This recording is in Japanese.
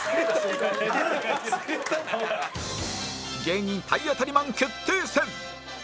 芸人体当たりマン決定戦！